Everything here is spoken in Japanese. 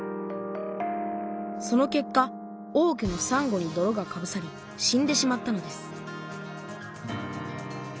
その結果多くのさんごにどろがかぶさり死んでしまったのです